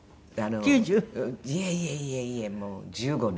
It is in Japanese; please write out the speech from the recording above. いえいえいえいえもう１５年？